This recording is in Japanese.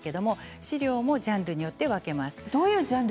資料もジャンルによって分けます。